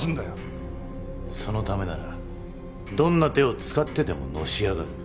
そのためならどんな手を使ってでものし上がる。